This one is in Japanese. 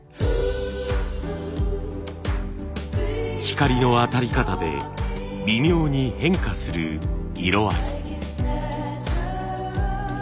光の当たり方で微妙に変化する色合い。